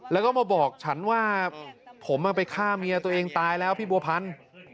แล้วก็มาบอกฉันว่าผมไปฆ่าเมียตัวเองตายแล้วพี่บัวพันธุ์